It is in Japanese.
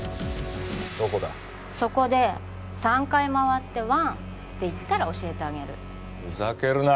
どこだそこで３回まわってワンって言ったら教えてあげるふざけるな！